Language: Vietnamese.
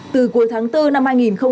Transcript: từ cuối tháng bốn năm hai nghìn hai mươi